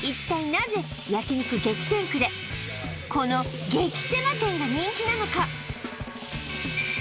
なぜ焼肉激戦区でこの激狭店が人気なのか？